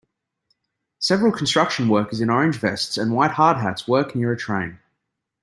Several construction workers in orange vests and white hard hats work near a train.